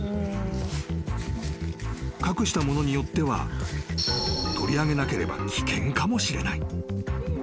［隠したものによっては取り上げなければ危険かもしれない］